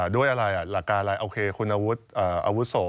ด้วยอะไรหลักการอะไรโอเคคุณอาวุโส